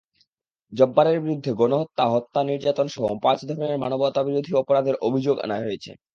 জব্বারের বিরুদ্ধে গণহত্যা, হত্যা, নির্যাতনসহ পাঁচ ধরনের মানবতাবিরোধী অপরাধের অভিযোগ আনা হয়েছে।